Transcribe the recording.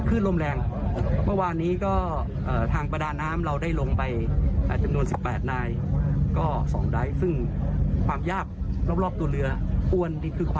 อุปสรรคในการค้นหายิ่งนานวันเข้าโอกาสที่จะค้นหาตรงเรือรอบรอบตัวเรือสุขของใครนะค่ะ